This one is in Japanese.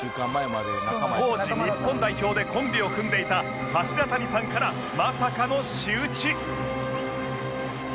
当時日本代表でコンビを組んでいた柱谷さんからまさかの仕打ち